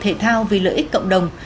với sự tham gia